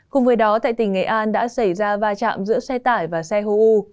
cùng với đó tại tỉnh nghệ an đã xảy ra va chạm giữa xe tải và xe hô u